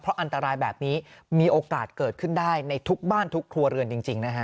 อันตรายแบบนี้มีโอกาสเกิดขึ้นได้ในทุกบ้านทุกครัวเรือนจริงนะฮะ